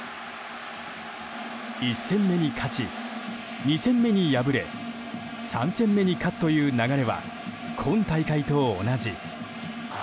１戦目に勝ち、２戦目に敗れ３戦目に勝つという流れは今大会と同じ。